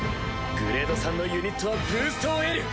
グレード３のユニットはブーストを得る！